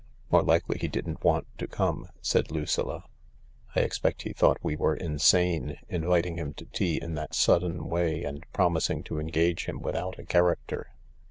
" More likely he didn't want to come," said Lucilla. " I expect he thought we were insane — inviting him to tea in that sudden way and promising to engage him without a character."